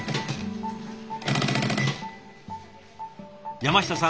山下さん